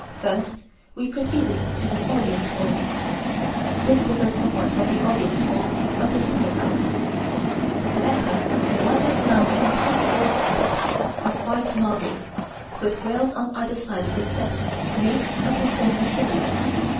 First we proceeded to the Audience Hall. This differs somewhat from the Audience Hall of the Summer Palace. To enter, one must mount some twenty odd steps of white marble, with rails on either side of the steps made of the same material.